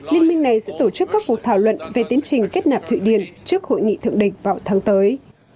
liên minh này sẽ tổ chức các cuộc thảo luận về tiến trình kết nạp thụy điển trước hội nghị thượng đỉnh vào tháng tới